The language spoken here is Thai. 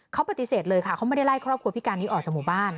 เขาปฏิเสธเลยค่ะเขาไม่ได้ไล่ครอบครัวพิการนี้ออกจากหมู่บ้าน